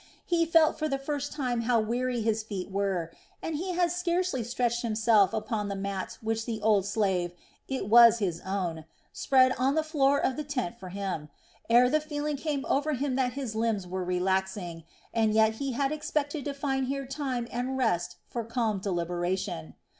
He felt for the first time how weary his feet were, and he had scarcely stretched himself upon the mat which the old slave it was his own spread on the floor of the tent for him, ere the feeling came over him that his limbs were relaxing; and yet he had expected to find here time and rest for calm deliberation.